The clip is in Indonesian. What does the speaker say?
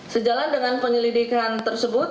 sejalan dengan penyelidikan tersebut